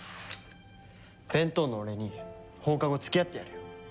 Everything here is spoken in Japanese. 弁当のお礼に放課後付き合ってやるよ。